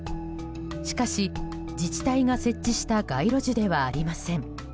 しかし、自治体が設置した街路樹ではありません。